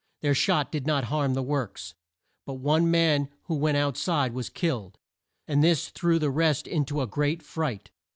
Their shot did not harm the works, but one man who went out side was killed, and this threw the rest in to a great fright.